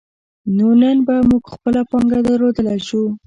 نو نن به موږ خپله پانګه درلودلای شو.